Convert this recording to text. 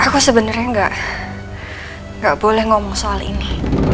aku sebenernya gak gak boleh ngomong soal ini